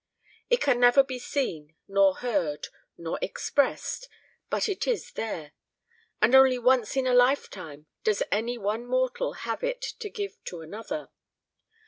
It can never be seen, nor heard, nor expressed, but it is there. And only once in a lifetime does any one mortal have it to give to another.